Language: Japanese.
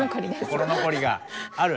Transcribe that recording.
心残りがある？